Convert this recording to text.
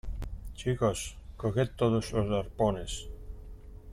chicos, coged todos los arpones